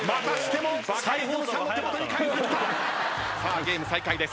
ゲーム再開です。